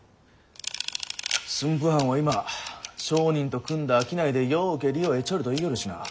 駿府藩は今商人と組んだ商いでようけ利を得ちょるといいよるしなぁ。